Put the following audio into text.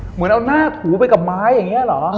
เหมือนเอาหน้าถูไปกับไม้อย่างนี้เหรอ